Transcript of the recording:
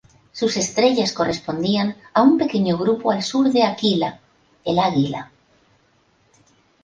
Sus estrellas correspondían a un pequeño grupo al sur de Aquila, el águila.